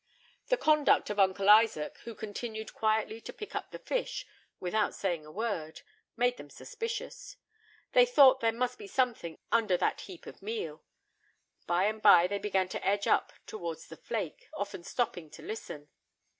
The conduct of Uncle Isaac, who continued quietly to pick up the fish, without saying a word, made them suspicious; they thought there must be something "under that heap of meal." By and by they began to edge up towards the flake, often stopping to listen.